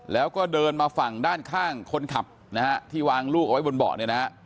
แล้วก็เดินมาฝั่งด้านข้างคนขับที่วางลูกเอาไว้บนเบาะ